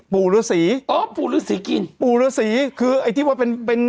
ปู่หรือศรีอ๋อปู่หรือศรีกินปู่หรือศรีคือไอ้ที่ว่าเป็นเป็น